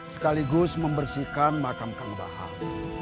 sekaligus membersihkan makam kang bahar